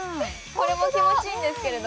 これも気持ちいいんですけれど